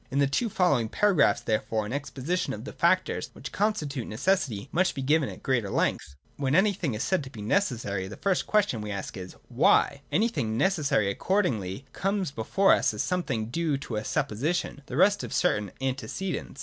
In the two following paragraphs therefore an exposition of the factors which constitute necessity must be given at greater length. When anything is said to be necessary, the first question we ask is, Why 1 Anything necessary accordingly comes before us as something due to a supposition, the result of certain antecedents.